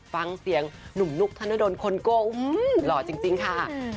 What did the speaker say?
ฟังเสียงหนุ่มนุกธนดลคนโกงหล่อจริงค่ะ